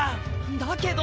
だけど！